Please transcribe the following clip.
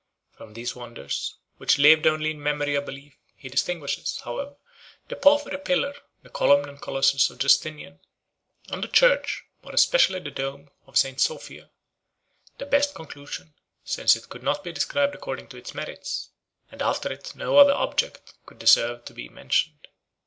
From these wonders, which lived only in memory or belief, he distinguishes, however, the porphyry pillar, the column and colossus of Justinian, 3 and the church, more especially the dome, of St. Sophia; the best conclusion, since it could not be described according to its merits, and after it no other object could deserve to be mentioned.